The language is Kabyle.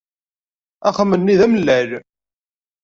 Axxam-nni d amellal.